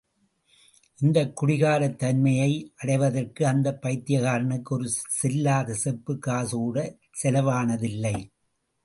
இந்தக் குடிகாரத் தன்மையை அடைவதற்கு அந்தப் பைத்தியக்காரனுக்கு ஒரு செல்லாத செப்புக் காசுகூடச் செலவானதில்லை.